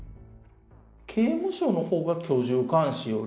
刑務所のほうが居住監視より。